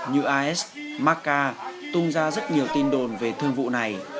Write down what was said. như a s macca tung ra rất nhiều tin đồn về thương vụ này